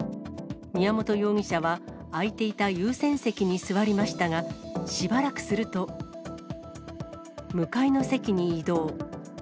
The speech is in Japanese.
宮本容疑者は、空いていた優先席に座りましたが、しばらくすると、向かいの席に移動。